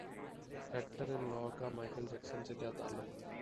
actor in law کا Michael Jackson سے کیا تعلق